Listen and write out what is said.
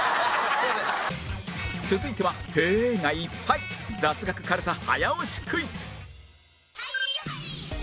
続いては「へえ」がいっぱい雑学かるた早押しクイズ